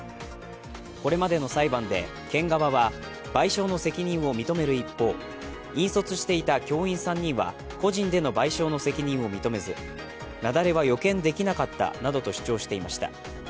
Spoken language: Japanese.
これまでの裁判で県側は賠償の責任を認める一方、引率していた教員３人は個人での賠償の責任を認めず雪崩は予見できなかったなどと主張していました。